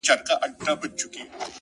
• ما درته وژړل ـ ستا نه د دې لپاره ـ